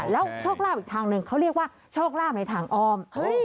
แล้วโชคลาภอีกทางหนึ่งเขาเรียกว่าโชคลาภในทางอ้อม